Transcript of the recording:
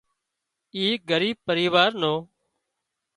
اي ڳريٻ پريوار نو